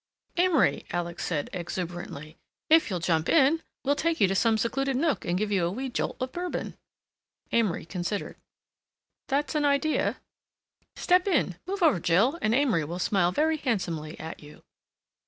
"Amory," said Alec exuberantly, "if you'll jump in we'll take you to some secluded nook and give you a wee jolt of Bourbon." Amory considered. "That's an idea." "Step in—move over, Jill, and Amory will smile very handsomely at you."